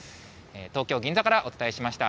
東京・銀座からお伝えしました。